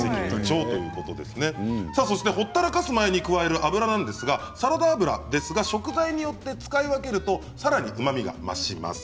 そして、ほったらかす前に加える油なんですがサラダ油ですが食材によって使い分けるとさらにうまみが増します。